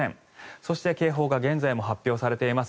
そして、警報が現在も発表されています。